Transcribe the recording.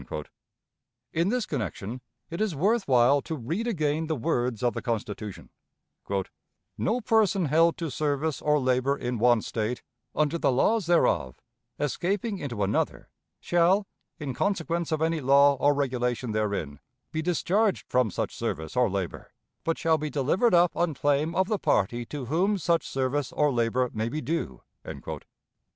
In this connection it is worth while to read again the words of the Constitution: "No person held to service or labor in one State, under the laws thereof, escaping into another, shall, in consequence of any law or regulation therein, be discharged from such service or labor, but shall be delivered up on claim of the party to whom such service or labor may be due."